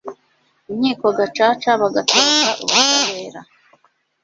inkiko gacaca bagatoroka ubutabera